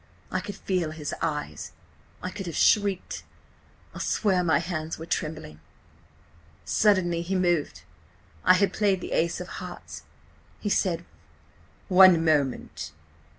I could feel his eyes. ... I could have shrieked–I'll swear my hands were trembling. "Suddenly he moved. I had played the ace of hearts. He said: 'One moment!'